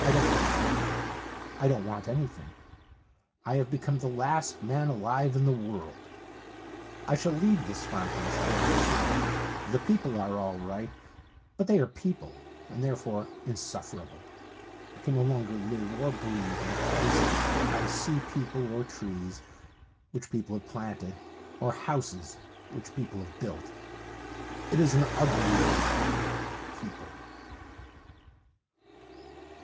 I don't want her. I don't want anything. I have become the last man alive in the world. I shall leave this farmhouse very soon. The people ai'e all right, but they are people, and therefore insuffer able. I can no longer live or breathe in a place where I see people, or trees which people have planted, or houses which people have built. It is an ugly word — people.